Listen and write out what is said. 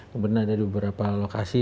kemudian ada beberapa lokasi